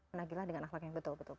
menagilah dengan ahlak yang betul